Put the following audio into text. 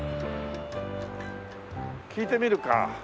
聞いてみるか。